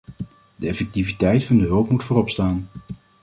De effectiviteit van de hulp moet voorop staan.